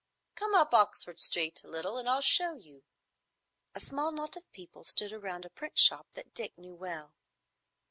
"Come up Oxford Street a little and I'll show you." A small knot of people stood round a print shop that Dick knew well.